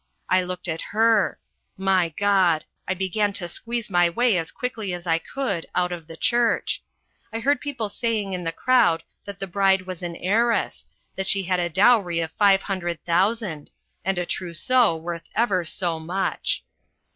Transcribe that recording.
I looked at her. My God ! I began to squeeze my way as quickly as I could out of the church. I heard people saying in the crowd that the bride was an heiress, that she had a dowry of five hundred thousand ... and a trousseau worth ever so much.